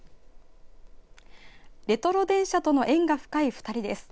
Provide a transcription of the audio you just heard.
レトロ電車との縁が深い２人です。